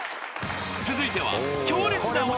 ［続いては］